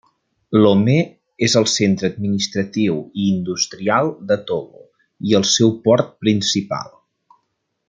Lomé és el centre administratiu i industrial de Togo i el seu port principal.